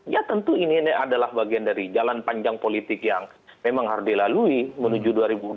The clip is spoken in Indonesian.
ya tentu ini adalah bagian dari jalan panjang politik yang memang harus dilalui menuju dua ribu dua puluh